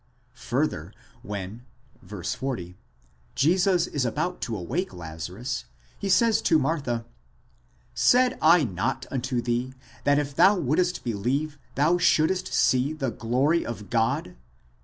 Further, when (v.40) Jesus is about to awake Lazarus, he says to Martha, Said J not unto thee that tf thou wouldst believe thou shouldst see the glory of God?